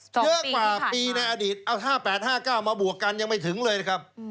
เยอะกว่าปีในอดีตเอา๕๘๕๙มาบวกกันยังไม่ถึงเลยนะครับ